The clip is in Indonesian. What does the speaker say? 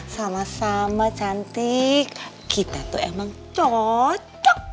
sama sama cantik kita tuh emang cocok